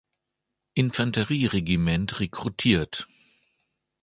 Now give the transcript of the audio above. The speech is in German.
Infanterieregiment rekrutiert.